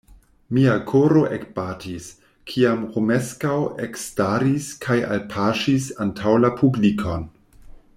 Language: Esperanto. Mia koro ekbatis, kiam Romeskaŭ ekstaris kaj alpaŝis antaŭ la publikon.